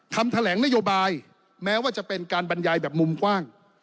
คำแถลงนโยบายแม้ว่าจะเป็นการบรรยายแบบมุมกว้าง